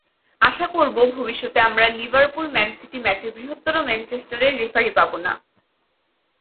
আশা করব, ভবিষ্যতে আমরা লিভারপুল-ম্যান সিটি ম্যাচে বৃহত্তর ম্যানচেস্টারের রেফারি পাব না।